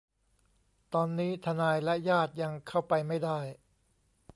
ตอนนี้ทนายและญาติยังเข้าไปไม่ได้